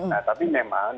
nah tapi memang